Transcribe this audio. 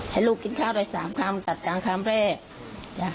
ให้ลูกกินข้าวได้๓คำจัดการคำแรก